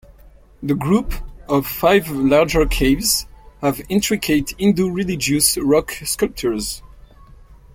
The group of five larger caves have intricate Hindu religious rock sculptures.